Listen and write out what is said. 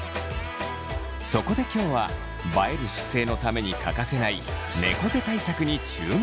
そこで今日は映える姿勢のために欠かせないねこ背対策に注目！